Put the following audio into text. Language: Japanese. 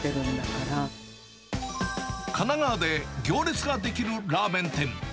神奈川で行列が出来るラーメン店。